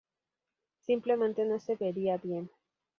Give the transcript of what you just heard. Simplemente no se vería bien".